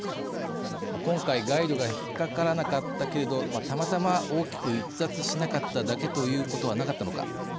今回ガイドが引っかからなかったけれどたまたま大きく逸脱しなかっただけということはなかったのか。